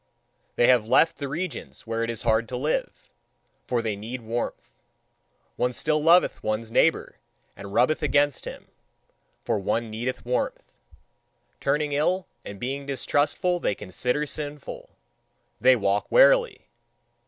They have left the regions where it is hard to live; for they need warmth. One still loveth one's neighbour and rubbeth against him; for one needeth warmth. Turning ill and being distrustful, they consider sinful: they walk warily.